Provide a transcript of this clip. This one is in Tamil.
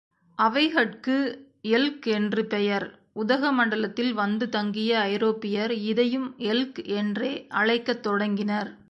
அவைகட்கு எல்க் என்று பெயர், உதகமண்டலத்தில் வந்து தங்கிய ஐரோப்பியர் இதையும் எல்க் என்றே அழைக்கத் தொடங்கினர்.